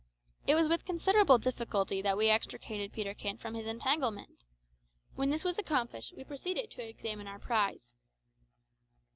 It was with considerable difficulty that we extricated Peterkin from his entanglement. When this was accomplished we proceeded to examine our prize.